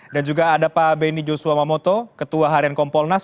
dan juga ada pak benny joshua mamoto ketua harian kompolnas